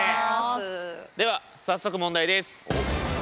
では早速問題です。